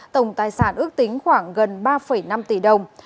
tổng tài sản ước tính khoảng gần ba năm tỷ đồng